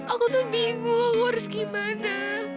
aku tuh bingung harus gimana